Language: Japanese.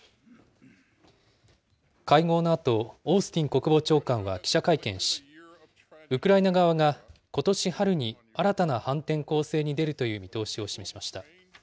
会合のあと、オースティン国防長官は記者会見し、ウクライナ側がことし春に新たな反転攻勢に出るという見通しを示しました。